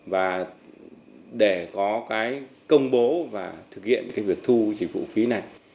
và để có cái công bố và thực hiện cái việc thu dịch vụ phí này